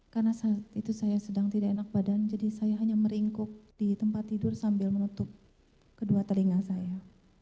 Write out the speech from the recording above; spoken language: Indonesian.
karena saat itu saya sedang tidak enak badan jadi saya hanya meringkuk di tempat tidur sambil menutup kedua telinga saya